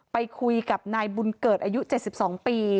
ไปคุยกับนายบุญเกิดอายุ๗๒ปี